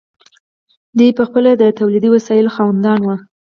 دوی پخپله د تولیدي وسایلو خاوندان وو.